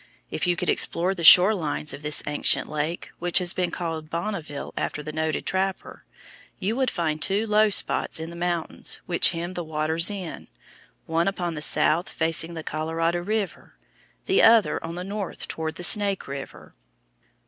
If you could explore the shore lines of this ancient lake, which has been called Bonneville after the noted trapper, you would find two low spots in the mountains which hem the waters in, one upon the south, facing the Colorado River, the other on the north toward the Snake River.